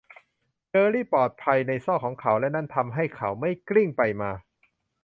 เจอร์รี่ปลอดภัยในซอกของเขา และนั้นทำให้เขาไม่กลิ้งไปมา